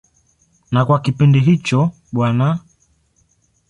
Na kwa kipindi hicho Bw.